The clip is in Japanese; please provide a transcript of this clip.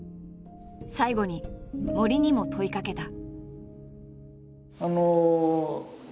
最後に森にも問いかけた。